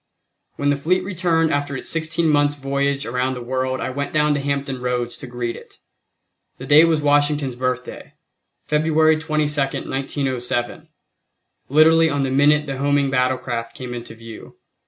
When the fleet returned after its sixteen months' voyage around the world I went down to Hampton Roads to greet it. The day was Washington's Birthday, February 22, 1907. Literally on the minute the homing battlecraft came into view.